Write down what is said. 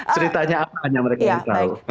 ceritanya apa hanya mereka yang tahu